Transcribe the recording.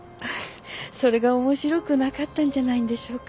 それが面白くなかったんじゃないんでしょうか。